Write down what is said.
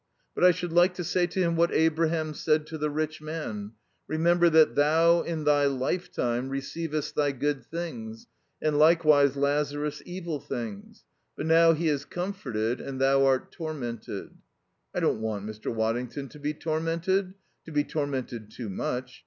But I should like to say to him what Abraham said to the rich man: 'Remember that thou in thy life time receivedst thy good things, and likewise Lazarus evil things: but now he is comforted and thou art tormented.' "I don't want Mr. Waddington to be tormented. To be tormented too much.